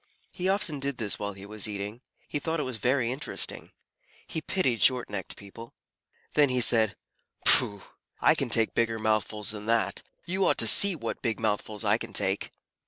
He often did this while he was eating. He thought it very interesting. He pitied short necked people. Then he said, "Pooh! I can take bigger mouthfuls than that. You ought to see what big mouthfuls I can take."